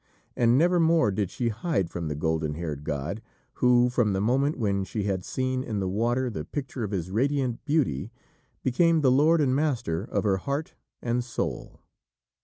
And nevermore did she hide from the golden haired god who, from the moment when she had seen in the water the picture of his radiant beauty, became the lord and master of her heart and soul.